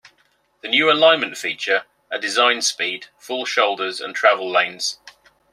The new alignments feature a design speed, full shoulders, and travel lanes.